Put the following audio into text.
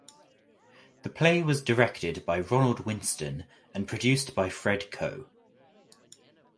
The play was directed by Ronald Winston and produced by Fred Coe.